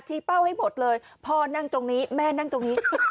เป้าให้หมดเลยพ่อนั่งตรงนี้แม่นั่งตรงนี้